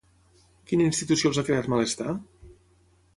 Quina institució els ha creat malestar?